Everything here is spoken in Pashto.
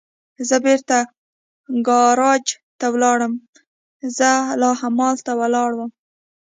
زه بېرته ګاراج ته ولاړم، زه لا همالته ولاړ ووم.